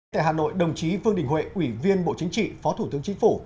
tại hà nội đồng chí vương đình huệ ủy viên bộ chính trị phó thủ tướng chính phủ